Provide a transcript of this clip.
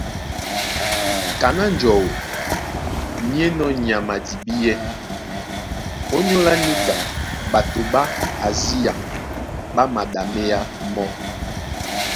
Kaná njɔu ní enɔ́ nyama a dibíɛ́, ónyólá níka ɓato ɓá Asia ɓá maɗaméá mɔ́.